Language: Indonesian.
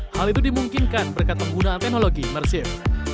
hal itu dimungkinkan berkat penggunaan teknologi imersif